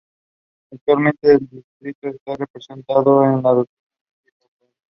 Actualmente el distrito está representado por el Demócrata Mike Capuano.